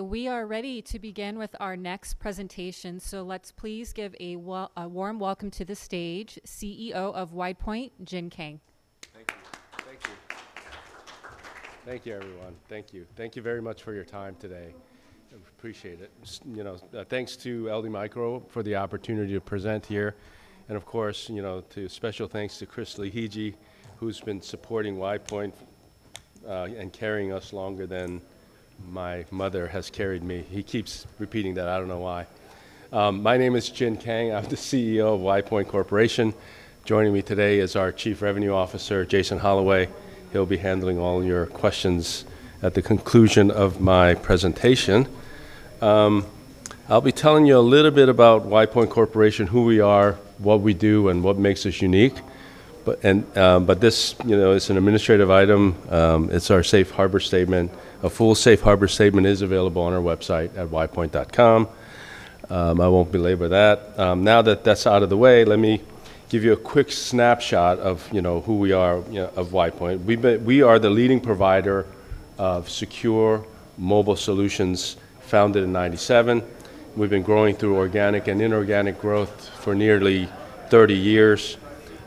We are ready to begin with our next presentation. Let's please give a warm welcome to the stage CEO of WidePoint, Jin Kang. Thank you. Thank you, everyone. Thank you very much for your time today. Appreciate it. You know, thanks to LD Micro for the opportunity to present here and, of course, you know, to special thanks to Chris Lahiji, who's been supporting WidePoint, and carrying us longer than my mother has carried me. He keeps repeating that. I don't know why. My name is Jin Kang. I'm the CEO of WidePoint Corporation. Joining me today is our Chief Revenue Officer, Jason Holloway. He'll be handling all your questions at the conclusion of my presentation. I'll be telling you a little bit about WidePoint Corporation, who we are, what we do, and what makes us unique. This, you know, is an administrative item. It's our safe harbor statement. A full safe harbor statement is available on our website at widepoint.com. I won't belabor that. Now that that's out of the way, let me give you a quick snapshot of, you know, who we are, you know, of WidePoint. We are the leading provider of secure mobile solutions, founded in 1997. We've been growing through organic and inorganic growth for nearly 30 years.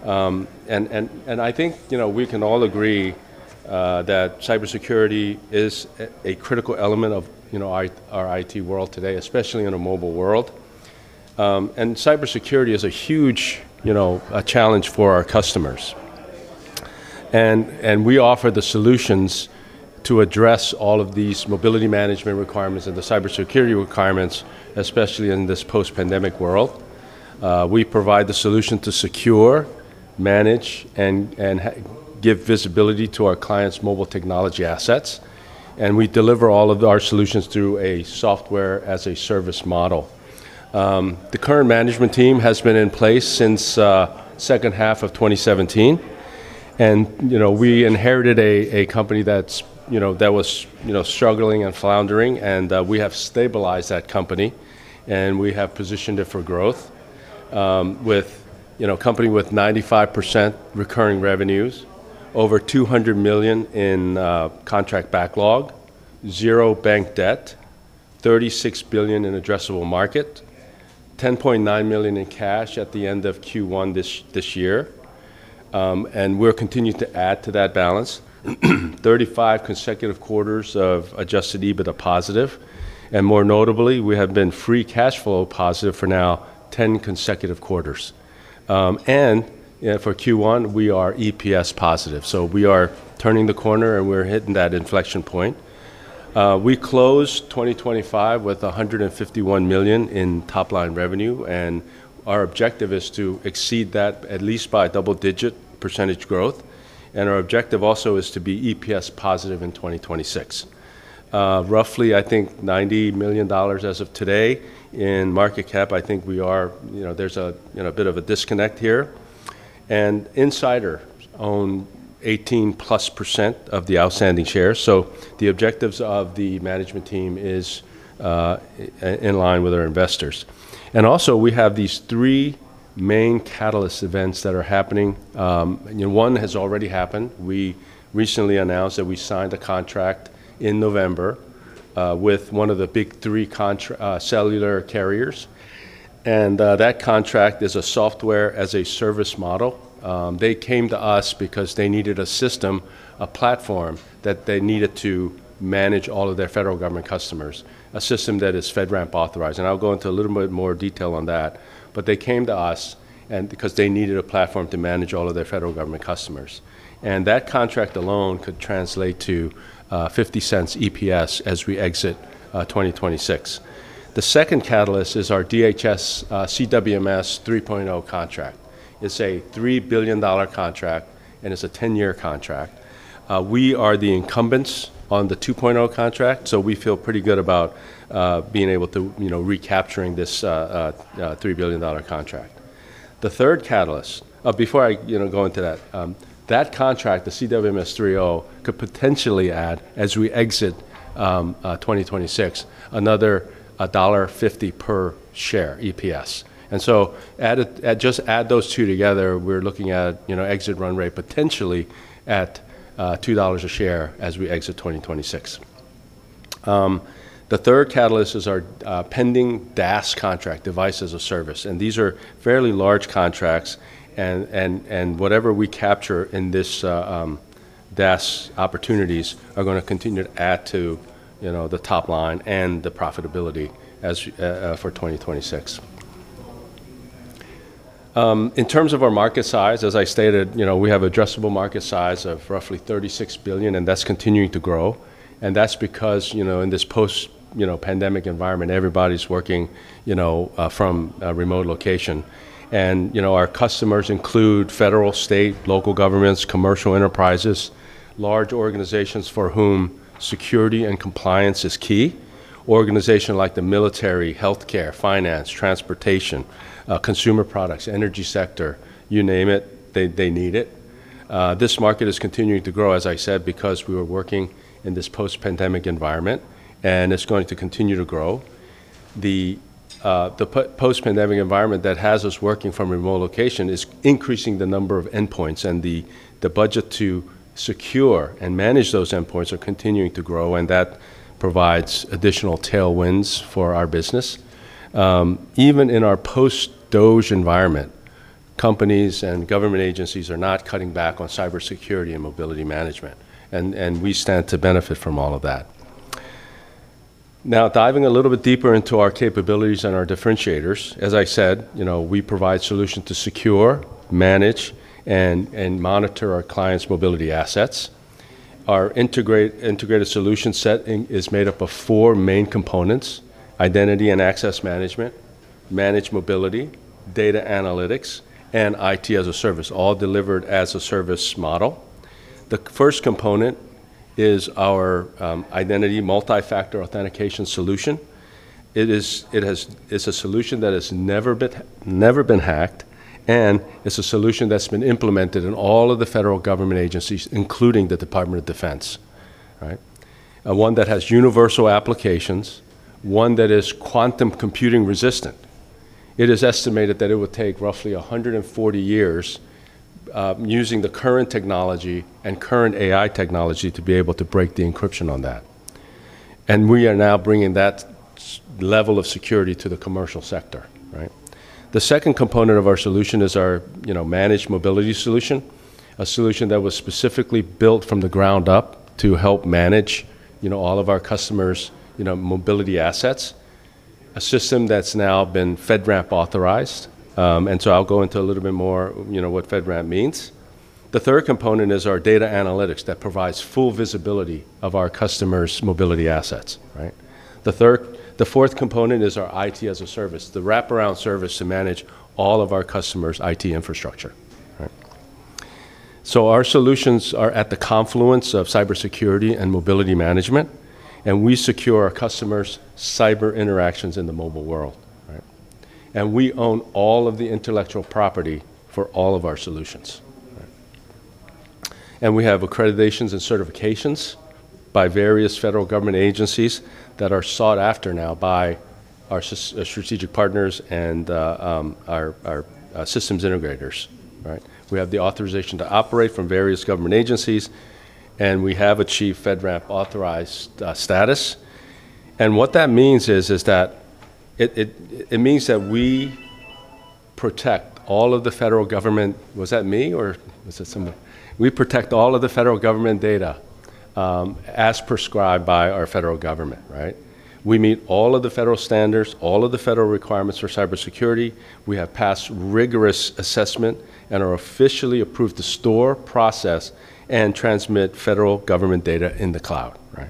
I think, you know, we can all agree that cybersecurity is a critical element of, you know, our IT world today, especially in a mobile world. Cybersecurity is a huge, you know, a challenge for our customers. We offer the solutions to address all of these mobility management requirements and the cybersecurity requirements, especially in this post-pandemic world. We provide the solution to secure, manage, and give visibility to our clients' mobile technology assets, and we deliver all of our solutions through a software as a service model. The current management team has been in place since the second half of 2017, and, you know, we inherited a company that was, you know, struggling and floundering, and we have stabilized that company, and we have positioned it for growth, with, you know, a company with 95% recurring revenues, over $200 million in contract backlog, zero bank debt, $36 billion in addressable market. $10.9 million in cash at the end of Q1 this year, and we're continuing to add to that balance. 35 consecutive quarters of Adjusted EBITDA positive, and more notably, we have been free cash flow positive for now 10 consecutive quarters. For Q1, we are EPS positive. We are turning the corner, and we're hitting that inflection point. We closed 2025 with $151 million in top-line revenue, and our objective is to exceed that at least by a double-digit percentage growth, and our objective also is to be EPS positive in 2026. Roughly, I think, $90 million as of today in market cap. I think we are, you know, there's a, you know, bit of a disconnect here. Insiders own 18%+ of the outstanding shares, the objectives of the management team is in line with our investors. We have these three main catalyst events that are happening. One has already happened. We recently announced that we signed a contract in November with one of the big three cellular carriers, that contract is a software as a service model. They came to us because they needed a system, a platform, that they needed to manage all of their federal government customers, a system that is FedRAMP authorized, I'll go into a little bit more detail on that. They came to us because they needed a platform to manage all of their federal government customers, that contract alone could translate to $0.50 EPS as we exit 2026. The second catalyst is our DHS CWMS 3.0 contract. It's a $3 billion contract, and it's a 10-year contract. We are the incumbents on the 2.0 contract, so we feel pretty good about being able to, you know, recapturing this $3 billion contract. The third catalyst, before I, you know, go into that contract, the CWMS 3.0, could potentially add, as we exit 2026, another $1.50 per share EPS. Just add those two together, we're looking at, you know, exit run rate potentially at $2 a share as we exit 2026. The third catalyst is our pending DaaS contract, device as a service. These are fairly large contracts and whatever we capture in this DaaS opportunities are gonna continue to add to, you know, the top line and the profitability for 2026. In terms of our market size, as I stated, you know, we have addressable market size of roughly $36 billion. That's continuing to grow. That's because, you know, in this post, you know, pandemic environment, everybody's working, you know, from a remote location. You know, our customers include federal, state, local governments, commercial enterprises, large organizations for whom security and compliance is key, organizations like the military, healthcare, finance, transportation, consumer products, energy sector. You name it, they need it. This market is continuing to grow, as I said, because we were working in this post-pandemic environment, and it's going to continue to grow. The post-pandemic environment that has us working from a remote location is increasing the number of endpoints, and the budget to secure and manage those endpoints are continuing to grow, and that provides additional tailwinds for our business. Even in our post-DOGE environment, companies and government agencies are not cutting back on cybersecurity and mobility management, and we stand to benefit from all of that. Diving a little bit deeper into our capabilities and our differentiators, as I said, you know, we provide solutions to secure, manage, and monitor our clients' mobility assets. Our integrated solution setting is made up of four main components: identity and access management, managed mobility, data analytics, and IT as a service, all delivered as a service model. The first component is our identity multi-factor authentication solution. It's a solution that has never been hacked, and it's a solution that's been implemented in all of the federal government agencies, including the Department of Defense, right? One that has universal applications, one that is quantum computing resistant. It is estimated that it would take roughly 140 years using the current technology and current AI technology to be able to break the encryption on that. We are now bringing that level of security to the commercial sector, right? The second component of our solution is our, you know, managed mobility solution, a solution that was specifically built from the ground up to help manage, you know, all of our customers' mobility assets. A system that's now been FedRAMP authorized. I'll go into a little bit more, you know, what FedRAMP means. The third component is our data analytics that provides full visibility of our customers' mobility assets, right? The fourth component is our IT as a service, the wraparound service to manage all of our customers' IT infrastructure, right? Our solutions are at the confluence of cybersecurity and mobility management. We secure our customers' cyber interactions in the mobile world, right? We own all of the intellectual property for all of our solutions. We have accreditations and certifications by various federal government agencies that are sought after now by our strategic partners and our systems integrators, right? We have the authorization to operate from various government agencies, and we have achieved FedRAMP-authorized status. What that means is that it means that we protect all of the federal government. Was that me, or was it somebody? We protect all of the federal government data as prescribed by our federal government, right? We meet all of the federal standards, all of the federal requirements for cybersecurity. We have passed rigorous assessment and are officially approved to store, process, and transmit federal government data in the cloud, right?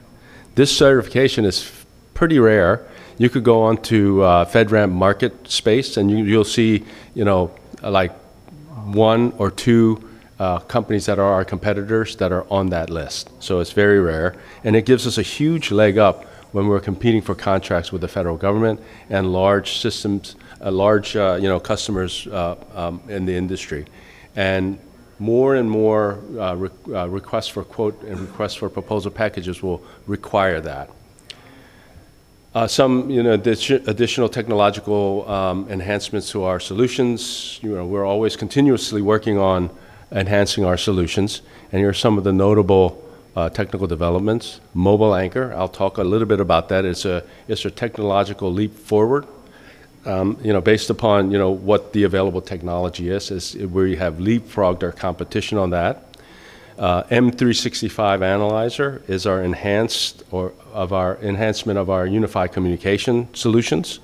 This certification is pretty rare. You could go onto a FedRAMP Marketplace, you'll see, you know, like one or two companies that are our competitors that are on that list. It's very rare, and it gives us a huge leg up when we're competing for contracts with the federal government and large systems, large, you know, customers in the industry. More and more requests for quote and Requests for Proposals packages will require that. Some, you know, additional technological enhancements to our solutions. You know, we're always continuously working on enhancing our solutions, here are some of the notable technical developments. MobileAnchor, I'll talk a little bit about that. It's a technological leap forward. You know, based upon, you know, what the available technology is, we have leapfrogged our competition on that. M365 Analyzer is our enhancement of our unified communication solutions.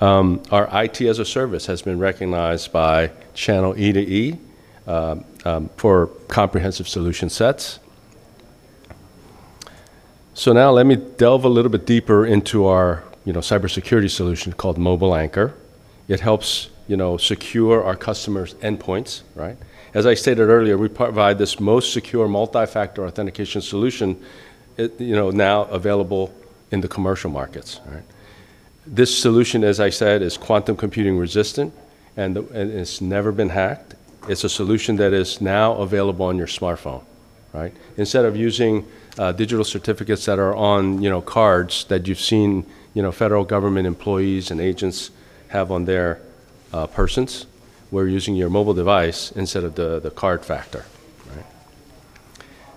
Our IT as a service has been recognized by ChannelE2E for comprehensive solution sets. Now let me delve a little bit deeper into our, you know, cybersecurity solution called MobileAnchor. It helps, you know, secure our customers' endpoints, right? As I stated earlier, we provide this most secure multi-factor authentication solution, you know, now available in the commercial markets, right? This solution, as I said, is quantum computing resistant, and it's never been hacked. It's a solution that is now available on your smartphone, right? Instead of using digital certificates that are on, you know, cards that you've seen, you know, federal government employees and agents have on their persons, we're using your mobile device instead of the card factor, right?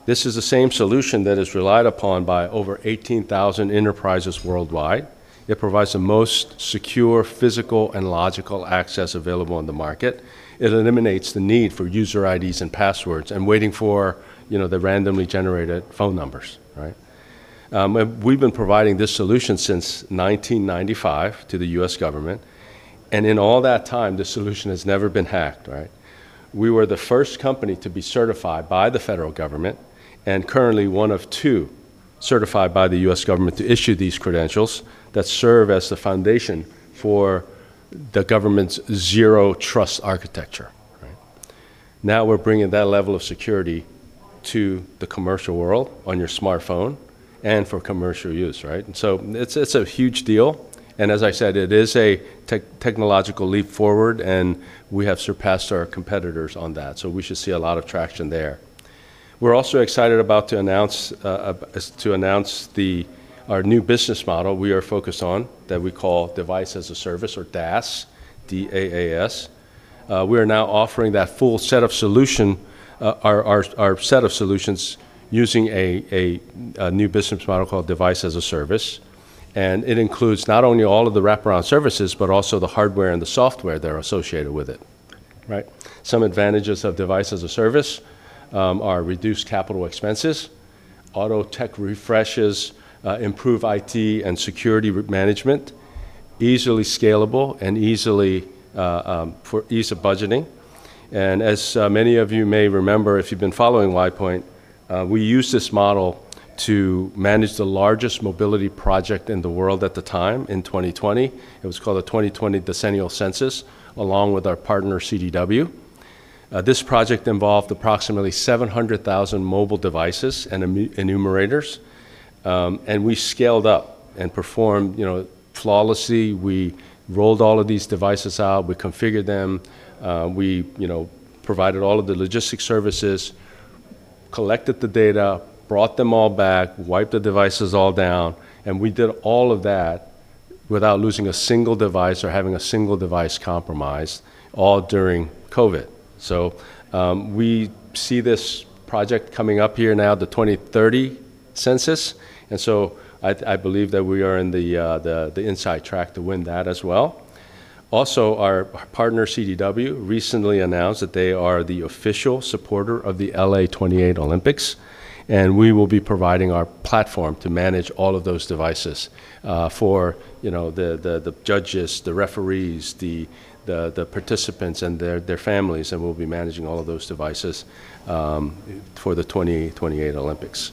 This is the same solution that is relied upon by over 18,000 enterprises worldwide. It provides the most secure physical and logical access available on the market. It eliminates the need for user IDs and passwords and waiting for, you know, the randomly generated phone numbers. We've been providing this solution since 1995 to the U.S. government, and in all that time, this solution has never been hacked. We were the first company to be certified by the federal government and currently one of two certified by the U.S. government to issue these credentials that serve as the foundation for the government's zero trust architecture. Now we're bringing that level of security to the commercial world on your smartphone and for commercial use. It's a huge deal, and as I said, it is a technological leap forward, and we have surpassed our competitors on that. We should see a lot of traction there. We're also excited about to announce the, our new business model we are focused on that we call Device as a Service or DaaS, D-a-a-S. We are now offering that full set of solution, our set of solutions using a new business model called Device as a Service, and it includes not only all of the wraparound services, but also the hardware and the software that are associated with it. Right? Some advantages of Device as a Service are reduced capital expenses, auto tech refreshes, improve IT and security management, easily scalable, and easily for ease of budgeting. As many of you may remember, if you've been following WidePoint, we used this model to manage the largest mobility project in the world at the time in 2020. It was called the 2020 Decennial Census, along with our partner CDW. This project involved approximately 700,000 mobile devices and enumerators, and we scaled up and performed, you know, flawlessly. We rolled all of these devices out. We configured them. We, you know, provided all of the logistics services, collected the data, brought them all back, wiped the devices all down, and we did all of that without losing a single device or having a single device compromised, all during COVID. We see this project coming up here now, the 2030 Census, I believe that we are in the inside track to win that as well. Our partner CDW recently announced that they are the official supporter of the LA28 Olympics, and we will be providing our platform to manage all of those devices, for, you know, the judges, the referees, the participants and their families, and we'll be managing all of those devices for the 2028 Olympics.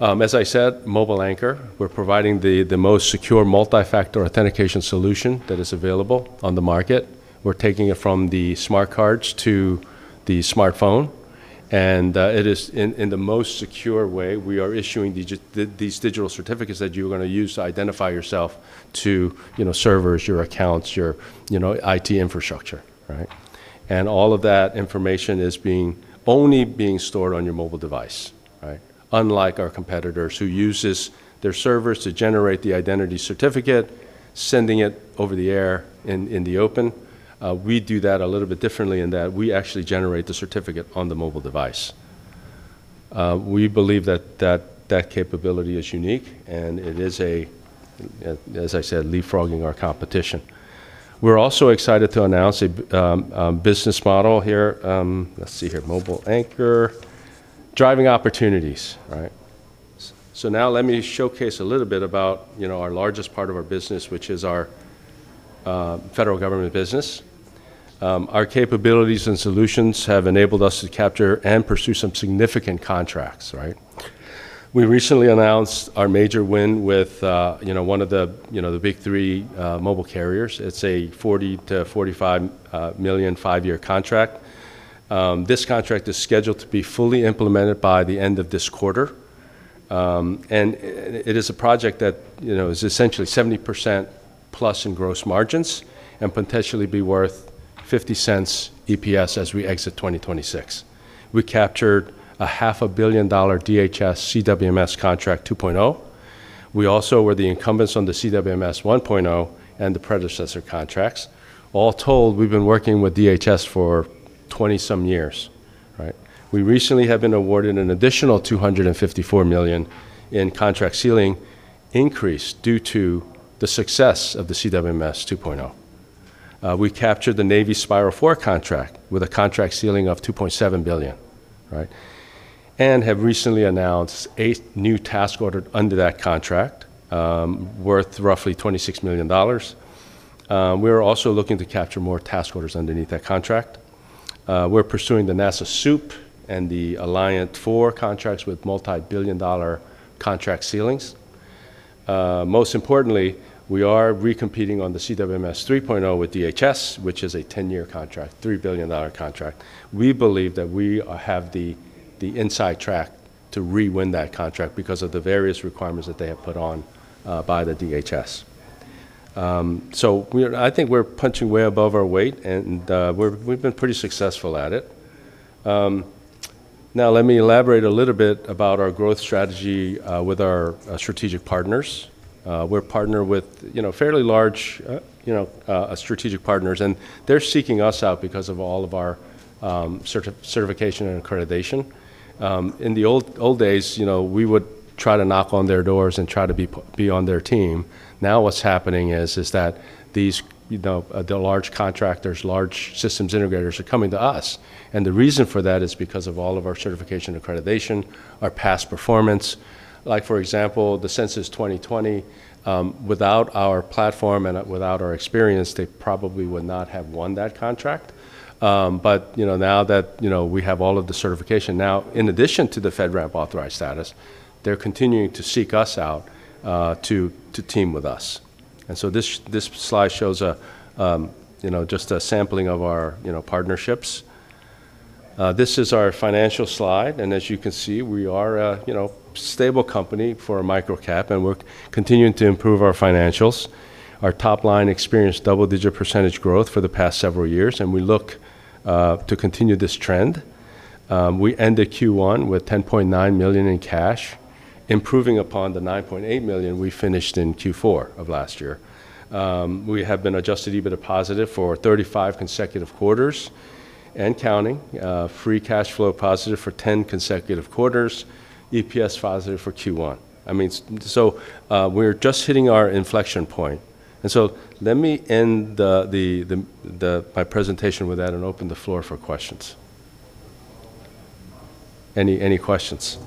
As I said, MobileAnchor, we're providing the most secure multi-factor authentication solution that is available on the market. We're taking it from the smart cards to the smartphone, and it is in the most secure way, we are issuing these digital certificates that you're gonna use to identify yourself to, you know, servers, your accounts, your, you know, IT infrastructure, right? All of that information is only being stored on your mobile device, right? Unlike our competitors who uses their servers to generate the identity certificate, sending it over the air in the open. We do that a little bit differently in that we actually generate the certificate on the mobile device. We believe that capability is unique, and it is as I said, leapfrogging our competition. We're also excited to announce a business model here. Let's see here. MobileAnchor, driving opportunities, right? Now let me showcase a little bit about our largest part of our business, which is our federal government business. Our capabilities and solutions have enabled us to capture and pursue some significant contracts, right? We recently announced our major win with one of the big three mobile carriers. It's a $40 million-$45 million, five-year contract. This contract is scheduled to be fully implemented by the end of this quarter. And it is a project that is essentially 70%+ in gross margins and potentially be worth $0.50 EPS as we exit 2026. We captured a half a billion dollar DHS CWMS 2.0 contract. We also were the incumbents on the CWMS 1.0 and the predecessor contracts. All told, we've been working with DHS for 20 some years, right? We recently have been awarded an additional $254 million in contract ceiling increase due to the success of the CWMS 2.0. We captured the U.S. Navy Spiral 4 contract with a contract ceiling of $2.7 billion, right? Have recently announced a new task order under that contract, worth roughly $26 million. We are also looking to capture more task orders underneath that contract. We're pursuing the NASA SEWP and the Alliant 4 contracts with multi-billion dollar contract ceilings. Most importantly, we are recompeting on the CWMS 3.0 with DHS, which is a 10-year contract, $3 billion contract. We believe that we have the inside track to re-win that contract because of the various requirements that they have put on by the DHS. We're, I think we're punching way above our weight, and we've been pretty successful at it. Now let me elaborate a little bit about our growth strategy with our strategic partners. We're partnered with, you know, fairly large, you know, strategic partners, and they're seeking us out because of all of our certification and accreditation. In the old days, you know, we would try to knock on their doors and try to be on their team. Now what's happening is that these large contractors, large systems integrators are coming to us, and the reason for that is because of all of our certification and accreditation, our past performance. For example, the Decennial Census 2020, without our platform and without our experience, they probably would not have won that contract. Now that we have all of the certification now, in addition to the FedRAMP authorized status, they're continuing to seek us out to team with us. This slide shows a just a sampling of our partnerships. This is our financial slide, and as you can see, we are a stable company for a microcap, and we're continuing to improve our financials. Our top line experienced double-digit % growth for the past several years, and we look to continue this trend. We ended Q1 with $10.9 million in cash, improving upon the $9.8 million we finished in Q4 of last year. We have been Adjusted EBITDA positive for 35 consecutive quarters, and counting. Free cash flow positive for 10 consecutive quarters. EPS positive for Q1. I mean, we're just hitting our inflection point. Let me end my presentation with that and open the floor for questions. Any questions?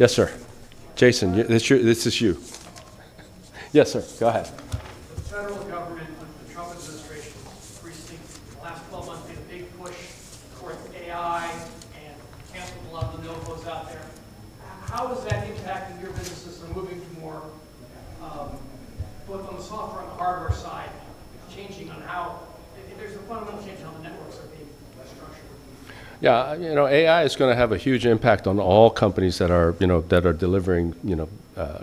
Yes, sir. Jason, this is you. Yes, sir. Go ahead. The federal government with the Trump administration recently, in the last 12 months, made a big push towards AI and canceled a lot of the NOFOs out there. How is that impacting your businesses and moving to more, both on the software and hardware side, changing on how If there's a fundamental change on the networks that are being structured? Yeah. You know, AI is going to have a huge impact on all companies that are, you know, that are delivering, you know,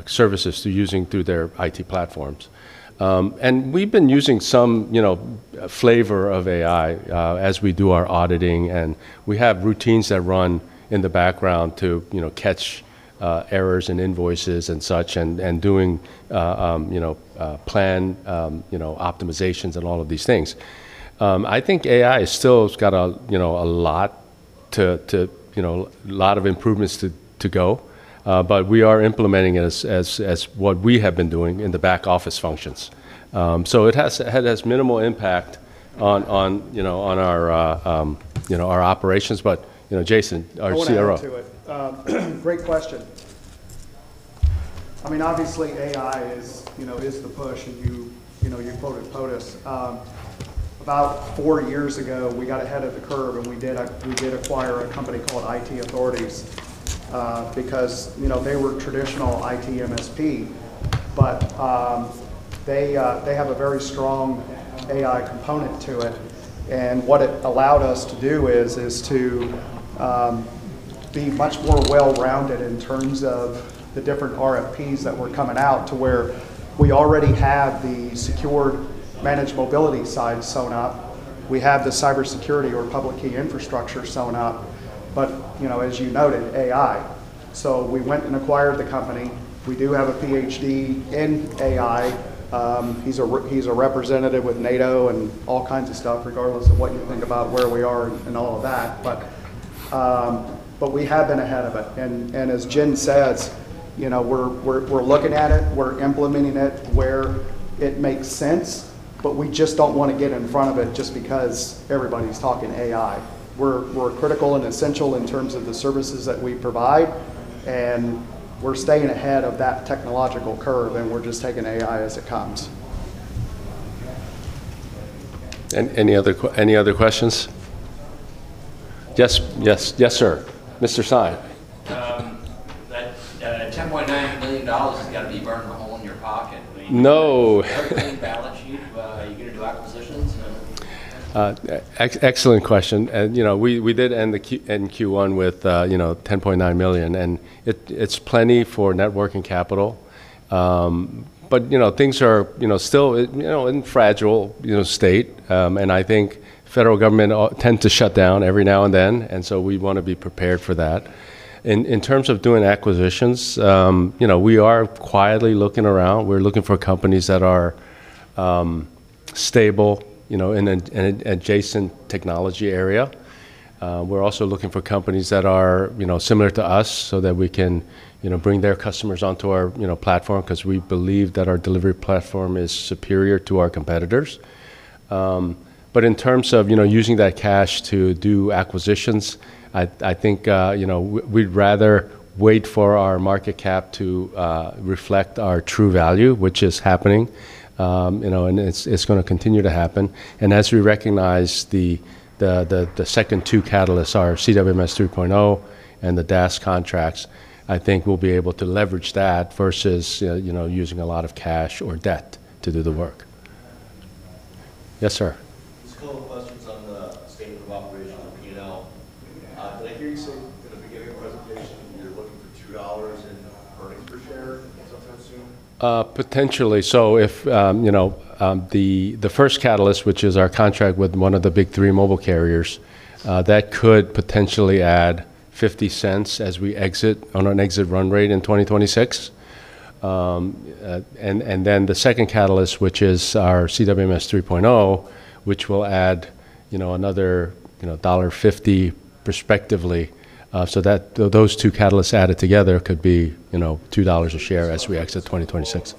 services through their IT platforms. We've been using some, you know, flavor of AI, as we do our auditing, and we have routines that run in the background to, you know, catch errors and invoices and such, and doing, you know, plan, you know, optimizations and all of these things. I think AI still has got a, you know, a lot to, you know, lot of improvements to go. We are implementing it as what we have been doing in the back office functions. It has minimal impact on, you know, on our, you know, our operations. You know, Jason, our CRO. I wanna add to it. Great question. I mean, obviously, AI is, you know, is the push and you know, you quoted POTUS. About four years ago, we got ahead of the curve, and we did acquire a company called IT Authorities, because, you know, they were traditional IT MSP. They have a very strong AI component to it, and what it allowed us to do is to be much more well-rounded in terms of the different RFPs that were coming out to where we already have the secure managed mobility side sewn up. We have the cybersecurity or public key infrastructure sewn up, but, you know, as you noted, AI. We went and acquired the company. We do have a PhD in AI. He's a representative with NATO and all kinds of stuff, regardless of what you think about where we are and all of that. We have been ahead of it. As Jin says, you know, we're looking at it, we're implementing it where it makes sense, We just don't wanna get in front of it just because everybody's talking AI. We're critical and essential in terms of the services that we provide, and we're staying ahead of that technological curve, and we're just taking AI as it comes. Any other questions? Yes. Yes, sir. Mr. Sine. That, $10.9 million has gotta be burning a hole in your pocket. No. Are you doing balance sheet? Are you gonna do acquisitions? Excellent question. You know, we did end Q1 with, you know, $10.9 million, and it's plenty for working capital. You know, things are, you know, still, you know, in fragile, you know, state. I think federal government tend to shut down every now and then, and so we wanna be prepared for that. In terms of doing acquisitions, you know, we are quietly looking around. We're looking for companies that are stable, you know, in an adjacent technology area. We're also looking for companies that are, you know, similar to us, so that we can, you know, bring their customers onto our, you know, platform, 'cause we believe that our delivery platform is superior to our competitors. In terms of, you know, using that cash to do acquisitions, I think, you know, we'd rather wait for our market cap to reflect our true value, which is happening. You know, it's gonna continue to happen. As we recognize the second two catalysts are CWMS 3.0 and the DaaS contracts, I think we'll be able to leverage that versus, you know, using a lot of cash or debt to do the work. Yes, sir. Just a couple of questions on the statement of operations on P&L. Did I hear you say in the beginning of your presentation you're looking for $2 in earnings per share sometime soon? Potentially. If, you know, the first catalyst, which is our contract with one of the big three mobile carriers, that could potentially add $0.50 as we exit on an exit run rate in 2026. Then the second catalyst, which is our CWMS 3.0, which will add, you know, another, you know, $1.50 respectively. Those two catalysts added together could be, you know, $2 a share as we exit 2026.